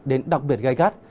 đến đặc biệt gai gắt